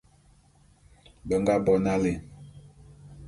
Be nga bo nalé.